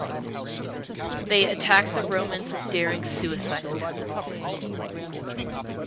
They attack the Romans with daring suicide attacks.